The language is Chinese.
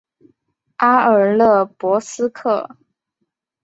阿尔勒博斯克。